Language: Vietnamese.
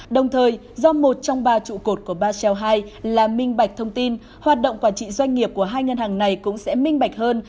đồng thời do một trong ba trụ cột của ba sen hai là minh bạch thông tin hoạt động quản trị doanh nghiệp của hai ngân hàng này cũng sẽ minh bạch hơn